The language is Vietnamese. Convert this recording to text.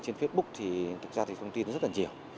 trên facebook thì thực ra thì thông tin rất là nhiều